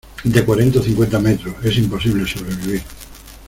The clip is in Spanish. de cuarenta o cincuenta metros, es imposible sobrevivir.